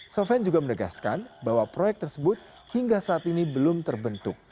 sofian juga menegaskan bahwa proyek tersebut hingga saat ini belum terbentuk